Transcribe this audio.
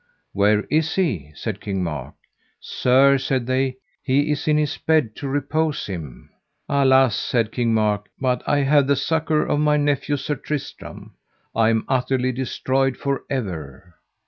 Where is he? said King Mark. Sir, said they, he is in his bed to repose him. Alas, said King Mark, but I have the succour of my nephew Sir Tristram, I am utterly destroyed for ever.